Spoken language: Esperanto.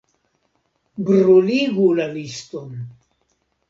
Bruligu la liston.